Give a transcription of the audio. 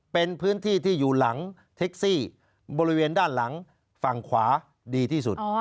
เป็นพื้นที่ที่อยู่หลังเท็กซี่บริเวณด้านหลังฝั่งขวาดีที่สุด